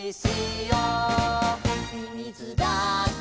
「みみずだって」